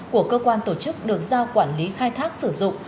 của cơ quan tổ chức được giao quản lý khai thác sử dụng